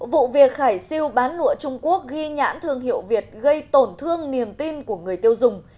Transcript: vụ việc khải siêu bán lụa trung quốc ghi nhãn thương hiệu việt gây tổn thương niềm tin của người tiêu dùng